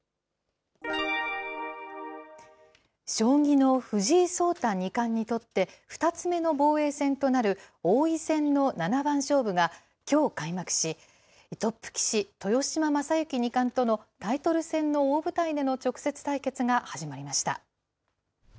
将棋の藤井聡太二冠にとって、２つ目の防衛戦となる王位戦の七番勝負がきょう開幕し、トップ棋士、豊島将之二冠とのタイトル戦の大舞台での直接対決が始まりました。